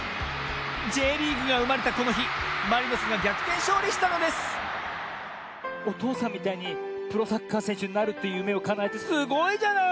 Ｊリーグがうまれたこのひマリノスがぎゃくてんしょうりしたのですおとうさんみたいにプロサッカーせんしゅになるというゆめをかなえてすごいじゃない。